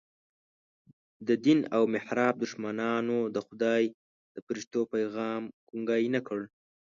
د دین او محراب دښمنانو د خدای د فرښتو پیغام ګونګی نه کړ.